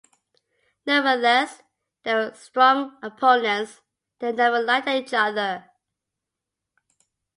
Nevertheless, they were strong opponents and they never liked each other.